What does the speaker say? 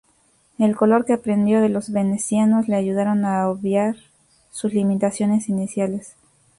El color que aprendió de los venecianos le ayudaron a obviar sus limitaciones iniciales.